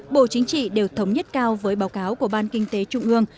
bộ chính trị đều thống nhất cao với báo cáo của ban kinh tế trung ương